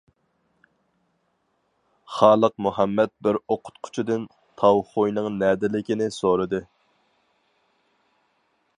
خالىق مۇھەممەد بىر ئوقۇتقۇچىدىن تاۋ خۇينىڭ نەدىلىكىنى سورىدى.